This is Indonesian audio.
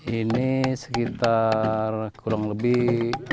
ini sekitar kurang lebih empat bulan yang lalu